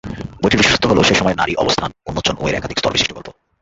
বইটির বিশেষত্ব হল সে সময়ে নারী অবস্থান উন্মোচন ও এর একাধিক-স্তর বিশিষ্ট গল্প।